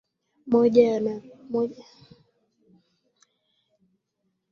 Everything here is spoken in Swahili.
moja na nchi tajiri za mashariki bila kuwapa faida wafanyabiashara